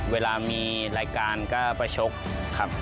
เวลามีรายการก็ไปชกครับ